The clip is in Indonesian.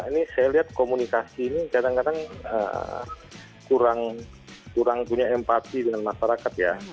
ini saya lihat komunikasi ini kadang kadang kurang punya empati dengan masyarakat ya